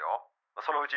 ☎そのうち